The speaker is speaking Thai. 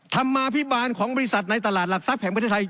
ธรรมาภิบาลของบริษัทในตลาดหลักทรัพย์แห่งประเทศไทย